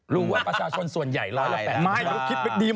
รู้ว่าประชาชนส่วนใหญ่๑๘๐ปี